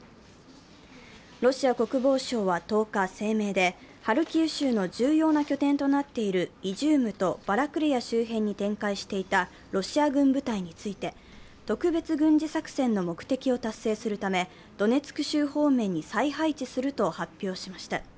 ロシア国防省は１０日、声明でハルキウ州の重要な拠点となっているイジュームとバラクレヤ周辺に展開していたロシア軍部隊について、特別軍事作戦の目的を達成するため、ドネツク州方面に再配置すると発表しました。